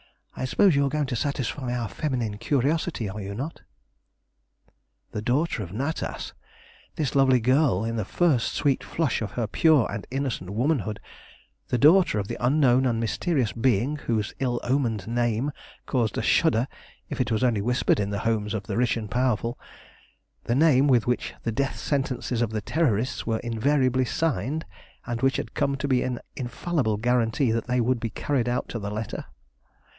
I suppose you are going to satisfy our feminine curiosity, are you not?" The daughter of Natas! This lovely girl, in the first sweet flush of her pure and innocent womanhood, the daughter of the unknown and mysterious being whose ill omened name caused a shudder if it was only whispered in the homes of the rich and powerful; the name with which the death sentences of the Terrorists were invariably signed, and which had come to be an infallible guarantee that they would be carried out to the letter.